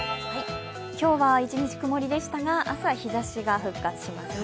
今日は一日曇りでしたが、朝、日ざしが復活しますね。